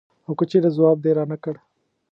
او که چېرې ځواب دې رانه کړ.